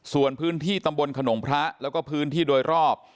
ส่วนพื้นที่ตำบลขนมพระแล้วก็พื้นที่โดยรอบ